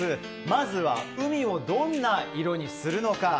まずは海をどんな色にするのか。